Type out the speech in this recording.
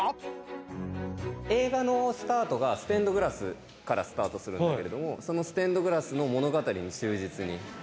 映画のスタートがステンドグラスからスタートするんだけどそのステンドグラスの物語に忠実に。